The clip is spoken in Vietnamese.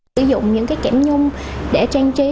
sử dụng những cái kẻm dung để trang trí